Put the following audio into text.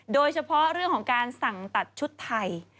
โดยเฉพาะเรื่องของการสั่งตัดชุดไทย